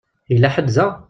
Yella ḥedd da?